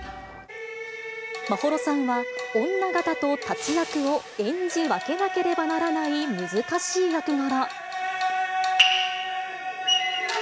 眞秀さんは女形と立役を演じ分けなければならない難しい役柄。